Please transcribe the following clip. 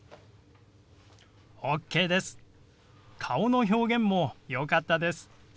顔の表現もよかったです。